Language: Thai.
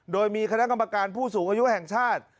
โดยมีคณะกรรมการผู้สูงอายุแห่งชาติ